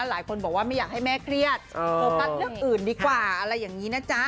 หลายคนบอกว่าไม่อยากให้แม่เครียดโฟกัสเรื่องอื่นดีกว่าอะไรอย่างนี้นะจ๊ะ